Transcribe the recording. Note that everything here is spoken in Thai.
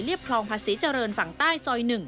ซอยเรียบคลองพระศรีเจริญฝั่งใต้ซอยหนึ่ง